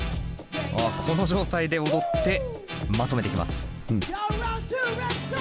この状態で踊ってまとめてきます。